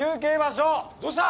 どうした？